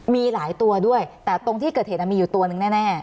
มีหลายตัวด้วยแต่ตรงที่เกิดเหตุมีอยู่ตัวหนึ่งแน่